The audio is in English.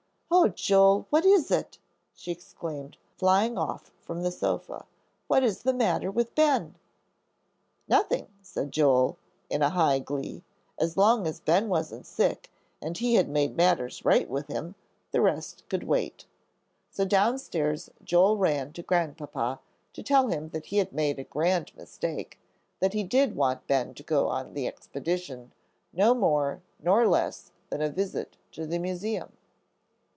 "Oh, Joel, what is it?" she exclaimed, flying off from the sofa; "what is the matter with Ben?" "Nothing," said Joel, in high glee. As long as Ben wasn't sick, and he had made matters right with him, the rest could wait. So downstairs Joel ran to Grandpapa, to tell him that he had made a grand mistake; that he did want Ben to go on the expedition, no more nor less than a visit to the Museum.